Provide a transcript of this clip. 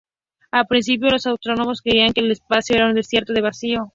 Al principio, los astrónomos creían que el espacio era un desierto de vacío.